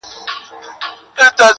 دغه راز د نویو تصویرونو